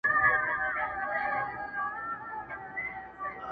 ژبه یې لمبه ده اور په زړه لري،